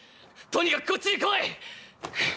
とにかくこっちに来い！